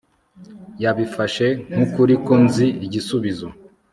Yabifashe nkukuri ko nzi igisubizo